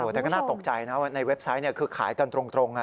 แต่ก็น่าตกใจนะในเว็บไซต์คือขายกันตรง